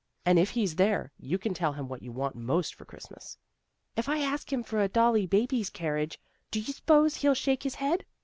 And, if he's there, you can tell him what you want most for Christmas." " If I ask him for a dolly baby's carriage, do you s'pose he'll shake his head?